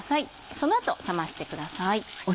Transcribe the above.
その後冷ましてください。